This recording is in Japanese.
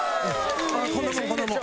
こんなもんこんなもん。